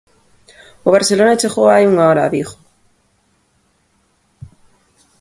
O Barcelona chegou hai unha hora a Vigo.